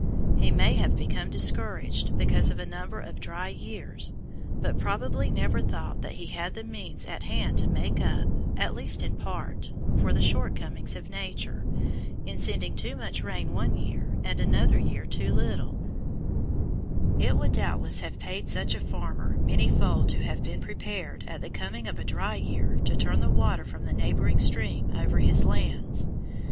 He may have become discouraged because of a number of "dry years," but probably never thought that he had the means at hand to make up, at least in part, for the shortcomings of Nature, in sending too much rain one year, and another year too little. [Illustration: FIG. 113. WATER WHEEL FOR LIFTING WATER FOR IRRIGATION, VIRGIN RIVER, SOUTHERN UTAH] It would doubtless have paid such a farmer many fold to have been prepared at the coming of a dry year to turn the water from a neighboring stream over his lands.